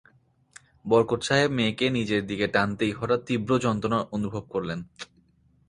বরকত সাহেব মেয়েকে নিজের দিকে টানতেই হঠাৎ তীব্র যন্ত্রণা অনুভব করলেন।